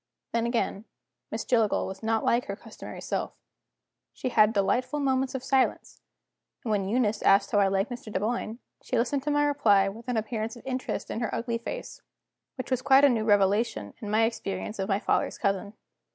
Then, again, Miss Jillgall was not like her customary self. She had delightful moments of silence; and when Eunice asked how I liked Mr. Dunboyne, she listened to my reply with an appearance of interest in her ugly face which was quite a new revelation in my experience of my father's cousin.